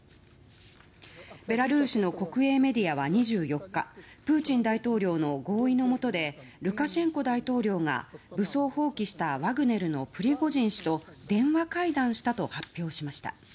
ベラルーシの国営メディアは２４日プーチン大統領の合意のもとでルカシェンコ大統領が武装蜂起したワグネルのプリゴジン氏と電話会談したと発表しました。